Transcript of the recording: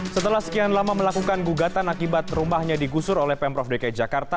setelah sekian lama melakukan gugatan akibat rumahnya digusur oleh pemprov dki jakarta